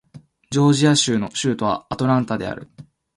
ジョージア州の州都はアトランタである